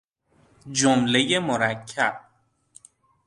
جملهی مرکب